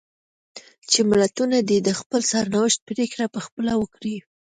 چې ملتونه دې د خپل سرنوشت پرېکړه په خپله وکړي.